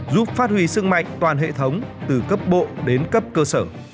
giúp phát huy sức mạnh toàn hệ thống từ cấp bộ đến cấp cơ sở